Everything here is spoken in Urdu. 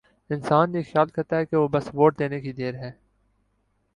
انسان یہ خیال کرتا ہے کہ بس ووٹ دینے کی دیر ہے۔